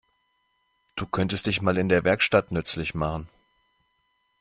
Du könntest dich mal in der Werkstatt nützlich machen.